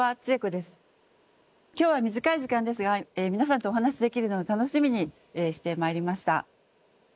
今日は短い時間ですが皆さんとお話しできるのを楽しみにしてまいりました。